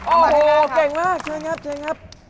โอ้โหเก่งมากช่วยงับ